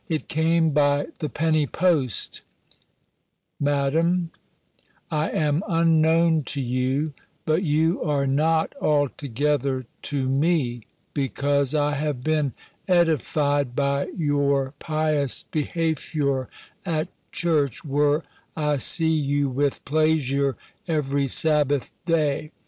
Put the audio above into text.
It came by the penny post. "Madame, "I ame unknowne to yowe; but yowe are not so altogathar to mee, becaus I haue bene edefy'd by yowre pius behafiorr att church, whir I see yowe with playsir everie Sabbaoth day.